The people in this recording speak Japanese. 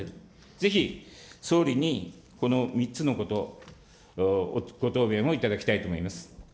ぜひ、総理にこの３つのこと、ご答弁をいただきたいと思います。